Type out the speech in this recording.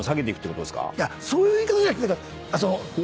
そういう言い方じゃなくて。